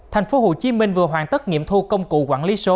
thành phố hồ chí minh vừa hoàn tất nghiệm thu công cụ quản lý số